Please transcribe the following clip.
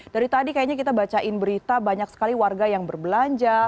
dari tadi kayaknya kita bacain berita banyak sekali warga yang berbelanja